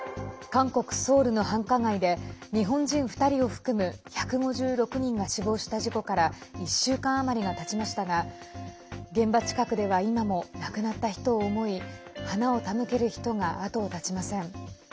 韓国ソウルの繁華街で日本人２人を含む１５６人が死亡した事故から１週間余りがたちましたが現場近くでは今も亡くなった人を思い花を手向ける人が後を絶ちません。